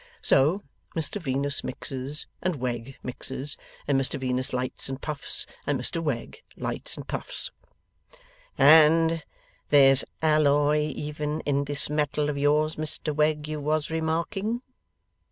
So, Mr Venus mixes, and Wegg mixes; and Mr Venus lights and puffs, and Wegg lights and puffs. 'And there's alloy even in this metal of yours, Mr Wegg, you was remarking?